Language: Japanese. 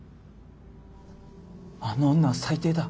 あの女は最低だ。